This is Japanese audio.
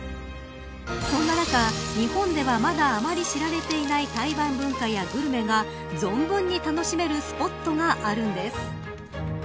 そんな中、日本ではまだあまり知られていない台湾文化やグルメが存分に楽しめるスポットがあるんです。